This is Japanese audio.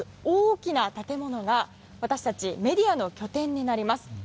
大きな建物が私たちメディアの拠点になります